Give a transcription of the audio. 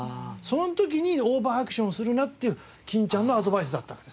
その時にオーバーアクションするなっていう欽ちゃんのアドバイスだったわけですよ。